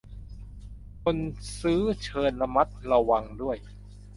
คนซื้อเชิญระมัดระวังด้วย